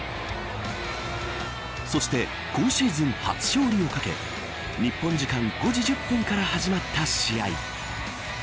そして、今シーズン初勝利をかけ日本時間５時１０分から始まった試合。